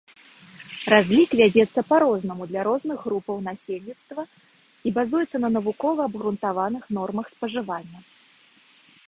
Разлік вядзецца па-рознаму для розных групаў насельніцтва і базуецца на навукова абгрунтаваных нормах спажывання.